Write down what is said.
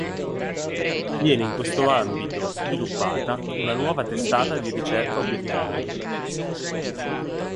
Viene in questo ambito sviluppata una nuova testata di ricerca obiettivo.